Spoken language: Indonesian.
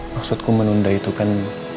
maksudku menunda itu kan